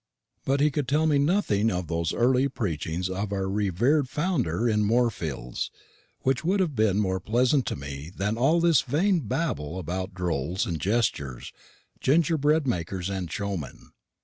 But he could tell me nothing of those early preachings of our revered founder in Moorfields, which would have been more pleasant to me than all this vain babble about drolls and jesters, gingerbread bakers and showmen.